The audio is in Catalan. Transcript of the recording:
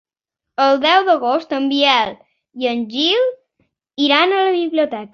El deu d'agost en Biel i en Gil iran a la biblioteca.